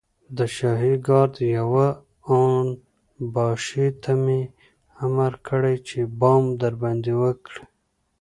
د شاهي ګارډ يوه اون باشي ته مې امر کړی چې پام درباندې وکړي.